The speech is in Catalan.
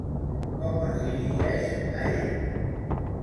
Com es dirigeix a ell?